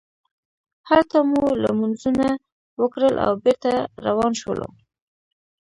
هلته مو لمونځونه وکړل او بېرته روان شولو.